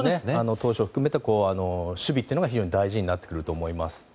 投手含めて守備が非常に大事になってくると思います。